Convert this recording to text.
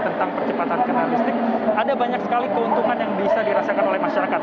tentang percepatan kendaraan listrik ada banyak sekali keuntungan yang bisa dirasakan oleh masyarakat